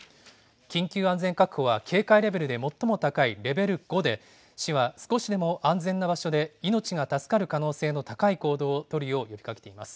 緊急安全確保は警戒レベルで最も高いレベル５で、市は少しでも安全な場所で命が助かる可能性が高い行動を取るよう呼びかけています。